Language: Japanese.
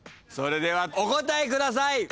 それではお答えください。